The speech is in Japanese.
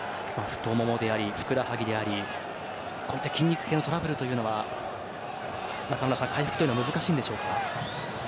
太ももでありふくらはぎでありこういった筋肉系のトラブルは中村さん回復は難しいんでしょうか？